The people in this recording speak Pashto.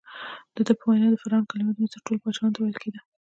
دده په وینا د فرعون کلمه د مصر ټولو پاچاهانو ته ویل کېده.